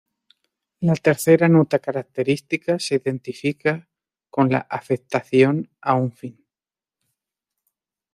La tercera nota característica se identifica con la afectación a un fin.